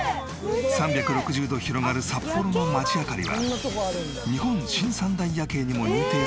３６０度広がる札幌の街明かりは日本新三大夜景にも認定されている名所。